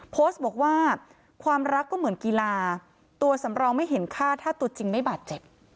โพสต์บอกว่าความรักก็เหมือนกีฬาตัวสำรองไม่เห็นค่าถ้าตัวจริงไม่บาดเจ็บ